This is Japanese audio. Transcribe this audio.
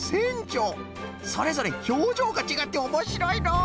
それぞれひょうじょうがちがっておもしろいのう！